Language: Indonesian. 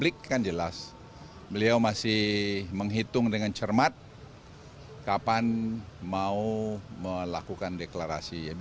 kita harus optimis bahwa itu ada mengingatkan kita semua untuk hati hati